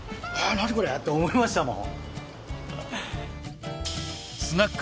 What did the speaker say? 何これ？って思いましたもん。